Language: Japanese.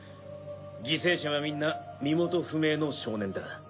犠牲者はみんな身元不明の少年だ。